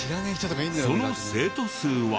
その生徒数は。